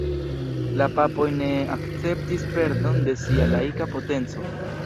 La papoj ne akceptis perdon de sia laika potenco.